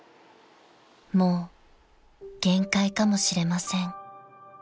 ［「もう限界かもしれません」］